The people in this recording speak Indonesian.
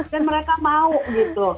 dan mereka mau gitu